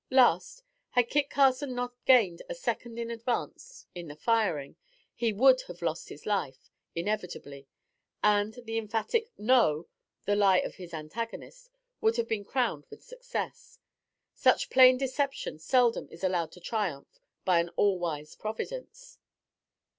Last, had Kit Carson not gained a second in advance in the firing, he would have lost his own life, inevitably; and, the emphatic "No!" the lie of his antagonist, would have been crowned with success. Such plain deception seldom is allowed to triumph by an all wise Providence.